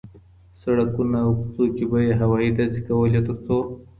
سړکونو او کوڅو کي به یې هوایي ډزي کولې، تر څو